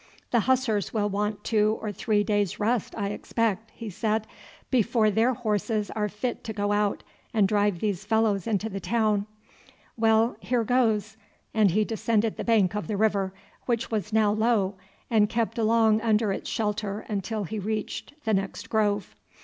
"The Hussars will want two or three days' rest, I expect," he said, "before their horses are fit to go out and drive these fellows into the town. Well, here goes!" and he descended the bank of the river, which was now low, and kept along under its shelter until he reached the next grove.